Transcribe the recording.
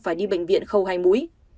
phải đi bệnh viện khâu hai múi